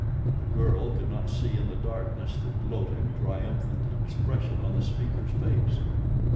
The girl could not see in the darkness the gloating, triumphant expression on the speaker's face.